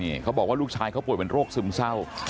นี่เขาบอกว่าลูกชายเขาป่วยเป็นโรคซึมเศร้า